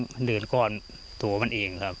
มันเดินก้อนตัวมันเองครับ